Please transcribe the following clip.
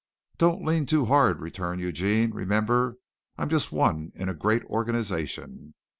"Don't lean too hard," returned Eugene. "Remember, I'm just one in a great organization."